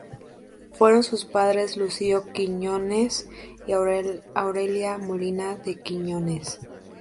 Fueron sus padres Lucio Quiñónez y Aurelia Molina de Quiñónez.